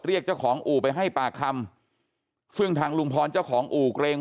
เรียกเจ้าของอู่ไปให้ปากคำซึ่งทางลุงพรเจ้าของอู่เกรง